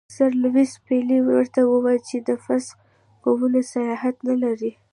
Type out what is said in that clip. سر لیویس پیلي ورته وویل چې د فسخ کولو صلاحیت نه لري.